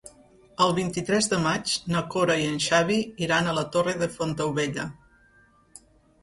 El vint-i-tres de maig na Cora i en Xavi iran a la Torre de Fontaubella.